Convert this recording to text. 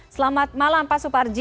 selamat malam pak suparji